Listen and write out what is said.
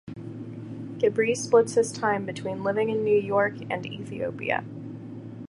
Gebre splits his time between living in New York and Ethiopia.